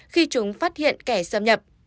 khi chúng phát hiện kẻ xâm nhập